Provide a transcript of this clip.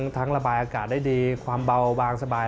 ระบายอากาศได้ดีความเบาบางสบาย